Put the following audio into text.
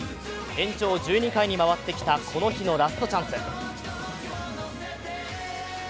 延長１２回に回ってきた、この日のラストチャンス。